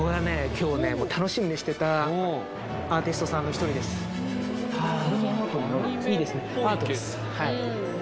今日楽しみにしてたアーティストさんの一人ですはいいですね